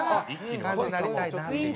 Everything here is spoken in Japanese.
感じになりたいなっていう。